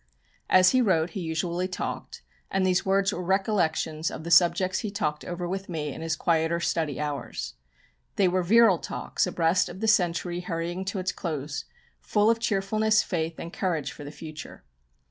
As he wrote he usually talked, and these words are recollections of the subjects he talked over with me in his quieter study hours. They were virile talks, abreast of the century hurrying to its close, full of cheerfulness, faith, and courage for the future.